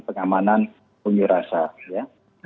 pengamanan punya rasa ya